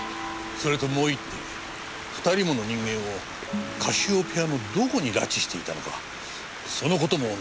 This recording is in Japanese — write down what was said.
それともう１点２人もの人間をカシオペアのどこに拉致していたのかその事も謎のままだ。